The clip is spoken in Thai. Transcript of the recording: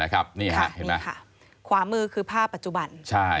ขวามือคือภาพปัจจุบัน